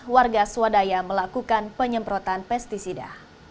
warga swadaya melakukan penyemprotan pesticida